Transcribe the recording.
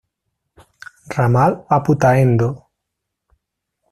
Ramal a Putaendo